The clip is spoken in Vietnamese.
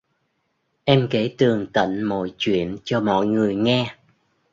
Em kể tường tận mọi chuyện cho mọi người nghe